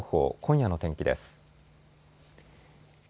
あすの天気です。